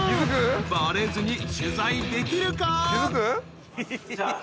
［バレずに取材できるか？］